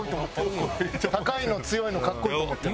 高いの強いの格好いいと思ってる。